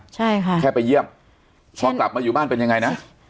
ใช่ค่ะแค่ไปเยี่ยมพอกลับมาอยู่บ้านเป็นยังไงนะ